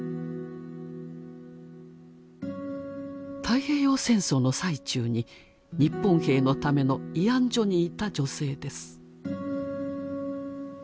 太平洋戦争の最中に日本兵のための慰安所にいた女性です。